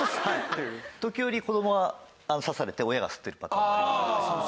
時折子供が刺されて親が吸ってるパターンもあります。